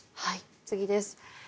次です。